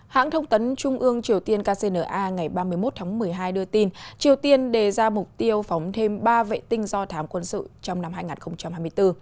hãng thông tấn trung ương triều tiên kcna ngày ba mươi một tháng một mươi hai đưa tin triều tiên đề ra mục tiêu phóng thêm ba vệ tinh do thám quân sự trong năm hai nghìn hai mươi bốn